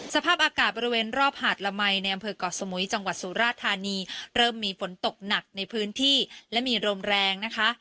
สภาพอากาศบริเวณรอบหาดละมัยในอำเภอกเกาะสมุยจังหวัดสุราธานีเริ่มมีฝนตกหนักในพื้นที่และมีลมแรงนะคะ